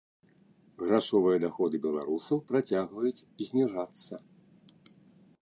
Грашовыя даходы беларусаў працягваюць зніжацца.